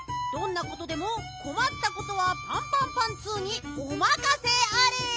どんなことでもこまったことはパンパンパンツーにおまかせあれ！